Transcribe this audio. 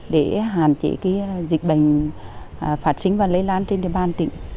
để hạn chế dịch bệnh phát sinh và lây lan trên địa bàn tỉnh